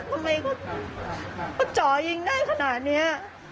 ทำไมก็เจาะยิงได้ขนาดนี้